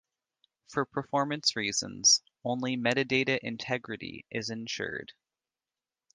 For performance reasons, only metadata integrity is ensured.